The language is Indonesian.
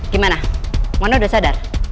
gimana mona udah sadar